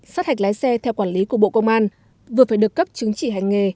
sát hạch lái xe theo quản lý của bộ công an vừa phải được cấp chứng chỉ hành nghề